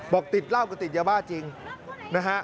บอกติดล่าวก็ติดอย่าบ้าจริงนะฮะ